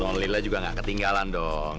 nornila juga gak ketinggalan dong